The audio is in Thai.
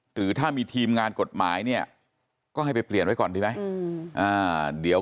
หรือถ้ามีทีมงานกฎหมายเนี่ยก็ให้ไปเปลี่ยนไว้ก่อนดีไหม